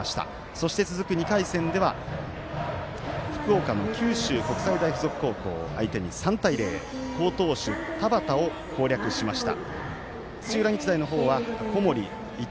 そして、続く２回戦では福岡の九州国際大付属高校相手に３対０好投手、田端を攻略しました。